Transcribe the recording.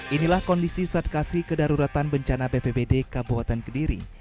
inilah kondisi saat kasih kedaruratan bencana bpbd kabupaten kediri